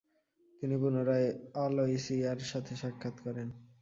তিনি পুনরায় আলোয়সিয়ার সাথে সাক্ষাৎ করেন।